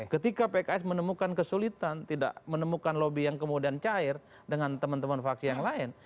ketika pks menemukan kesulitan tidak menemukan lobby yang kemudian cair dengan teman teman faksi yang lain